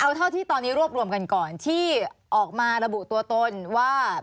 เอาเท่าที่ตอนนี้รวบรวมกันก่อนที่ออกมาระบุตัวตนว่า